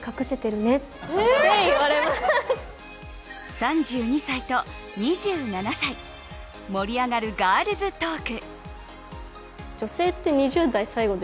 ３２歳と２７歳盛り上がるガールズトーク。